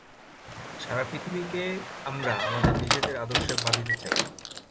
সারা পৃথিবীকে আমরা আমাদের নিজেদের আদর্শে বাঁধিতে চাই।